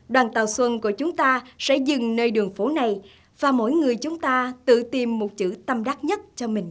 đoàn tàu xuân của chúng ta sẽ dừng nơi đường phố này và mỗi người chúng ta tự tìm một chữ tâm đắc nhất cho mình